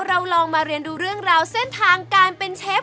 เราลองมาเรียนดูเรื่องราวเส้นทางการเป็นเชฟ